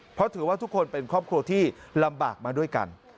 เพราะถือว่าทุกคนเป็นครอบครัวที่ลำบากมาด้วยกัน